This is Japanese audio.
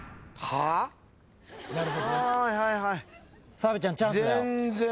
澤部ちゃんチャンスだよ。